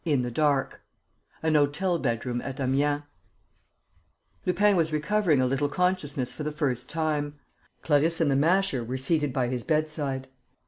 IN THE DARK An hotel bedroom at Amiens. Lupin was recovering a little consciousness for the first time. Clarisse and the Masher were seated by his bedside.